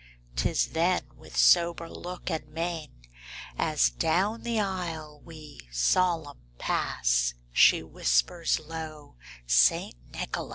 Tis then with sober look, and mein, As down the aisle we, solemn, pass, She whispers low, 'St. Nicholas.